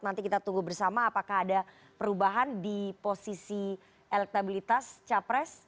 nanti kita tunggu bersama apakah ada perubahan di posisi elektabilitas capres